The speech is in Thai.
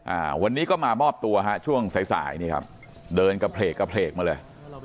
อ่าวันนี้ก็มามอบตัวฮะช่วงสายสายนี่ครับเดินกระเพลกกระเพลกมาเลย